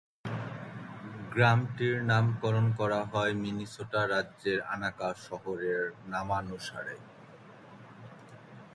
গ্রামটির নামকরণ করা হয় মিনেসোটা রাজ্যের আনাকা শহরের নামানুসারে।